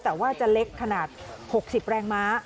แต่ว่าจะเล็กขนาด๖๐แรงม้า